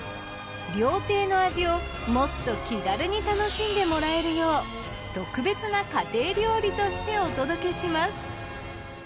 料亭の味をもっと気軽に楽しんでもらえるよう特別な家庭料理としてお届けします。